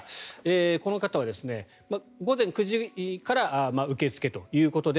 この方は、午前９時から受け付けということで